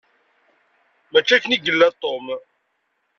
Mačči akken i yella Tom.